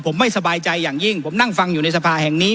ผมไม่สบายใจอย่างยิ่งผมนั่งฟังอยู่ในสภาแห่งนี้